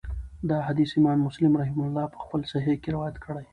دا حديث امام مسلم رحمه الله په خپل صحيح کي روايت کړی